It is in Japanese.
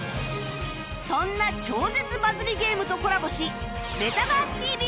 そんな超絶バズりゲームとコラボし『メタバース ＴＶ！！』